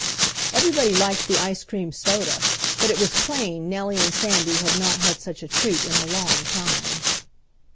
Everybody liked the ice cream soda, but it was plain Nellie and Sandy had not had such a treat in a long time.